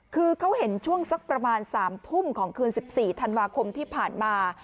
คือเขาเห็นช่วงสักประมาณ๓ทุ่มของคืน๑๔ธันวาคมที่ผ่านมา